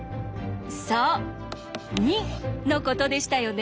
そう「２」のことでしたよね。